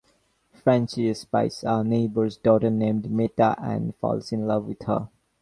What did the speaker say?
Francis spies a neighbor's daughter, named Meta, and falls in love with her.